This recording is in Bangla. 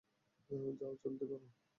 যাও, জলদি করো!